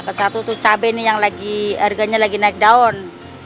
ke satu itu cabai yang harganya lagi naik down